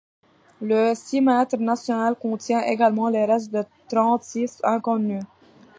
Le cimetière national contient également les restes de trente-six inconnus.